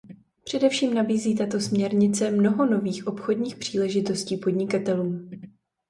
Především nabízí tato směrnice mnoho nových obchodních příležitostí podnikatelům.